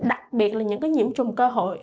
đặc biệt là những nhiễm trùng cơ hội